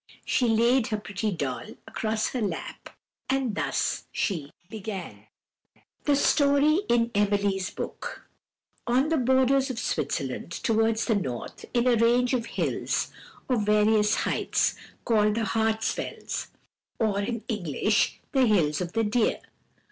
She laid her pretty doll across her lap, and thus she began: The Story in Emily's Book "On the borders of Switzerland, towards the north, is a range of hills, of various heights, called the Hartsfells, or, in English, the Hills of the Deer.